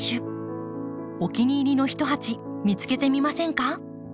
お気に入りの一鉢見つけてみませんか？